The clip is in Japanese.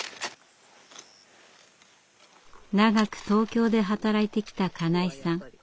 長く東京で働いてきた金井さん。